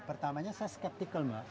pertamanya saya skeptikal mba